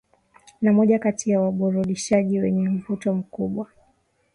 Na moja kati ya waburudishaji wenye mvuto mkubwa